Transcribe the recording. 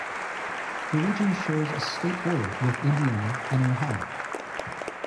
The region shares a state border with Indiana and Ohio.